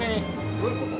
どういうこと？